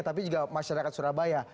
tapi juga masyarakat surabaya